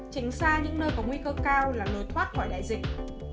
tránh xa những nơi có nguy cơ cao là lối thoát khỏi đại dịch